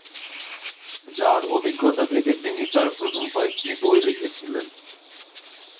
যার অভিজ্ঞতা থেকে তিনি তার প্রথম কয়েকটি বই লিখেছিলেন।